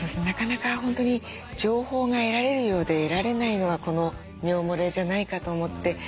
なかなか本当に情報が得られるようで得られないのがこの尿もれじゃないかと思って。